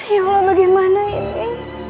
ya allah bagaimana ini